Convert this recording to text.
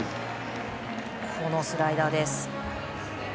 このスライダーです。